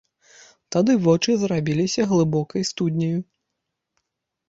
Тады вочы зрабіліся глыбокай студняю.